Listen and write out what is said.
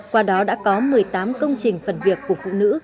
qua đó đã có một mươi tám công trình phần việc của phụ nữ